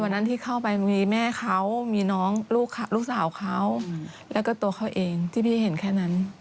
นั้นที่เข้าไปมีแม่เขามีน้องลูกสาวเขาแล้วก็ตัวเขาเองที่พี่เห็นแค่นั้น